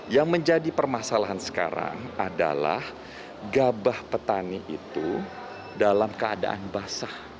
yang menjadi permasalahan sekarang adalah gabah petani itu dalam keadaan basah